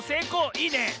いいね。